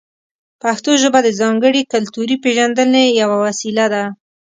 پښتو ژبه د ځانګړې کلتوري پېژندنې یوه وسیله ده.